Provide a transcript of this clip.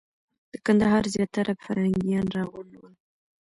د کندهار زیاتره فرهنګیان راغونډ ول.